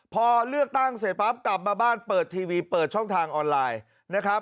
พอเลือกตั้งเสร็จปั๊บกลับมาบ้านเปิดทีวีเปิดช่องทางออนไลน์นะครับ